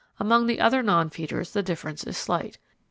Among the other non feeders the difference is slight.